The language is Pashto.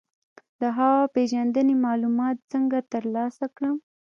د هوا پیژندنې معلومات څنګه ترلاسه کړم؟